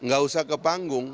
gak usah ke panggung